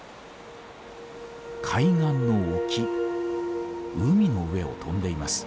海岸の沖海の上を飛んでいます。